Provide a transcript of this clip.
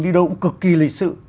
đi đâu cũng cực kỳ lịch sự